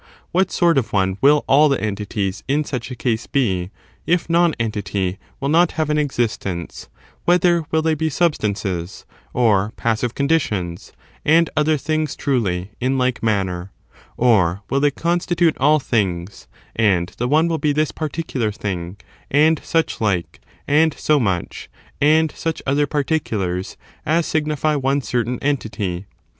What sort of one will all the entities in such a case be, if non entity will not have an existence — whether will they be substances, or passiye con ditions, and other things, truly, in like manner; or will they constitute all things, and the one will be this particular thing, and such like, and so much, and such other particulars as signify one certain entity?